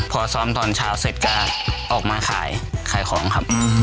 พอซ้อมตอนเช้าเสร็จก็ออกมาขายขายของครับ